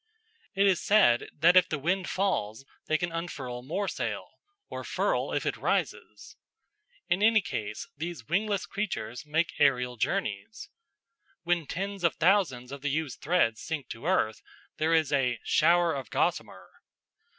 It is said that if the wind falls they can unfurl more sail, or furl if it rises. In any case, these wingless creatures make aerial journeys. When tens of thousands of the used threads sink to earth, there is a "shower of gossamer."